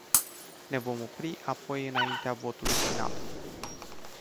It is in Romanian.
Ne vom opri apoi înaintea votului final.